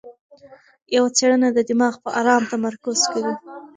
یوه څېړنه د دماغ پر ارام تمرکز کوي.